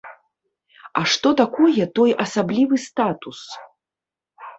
А што такое той асаблівы статус?